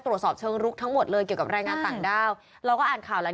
ตรวจสอบเชิงลุกทั้งหมดเลยเกี่ยวกับแรงงานต่างด้าวเราก็อ่านข่าวแล้ว